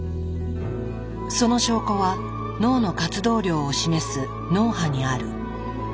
その証拠は脳の活動量を示す脳波にある。